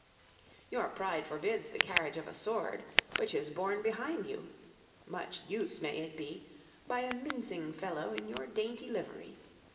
Your pride forbids the carriage of a sword, which is borne behind you much use may it be! by a mincing fellow in your dainty livery.